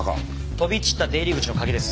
飛び散った出入り口の鍵です。